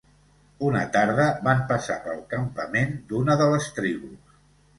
Una tarda, van passar pel campament d'una de les tribus.